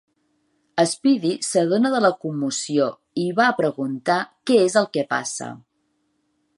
Speedy s'adona de la commoció i va a preguntar què és el que passa.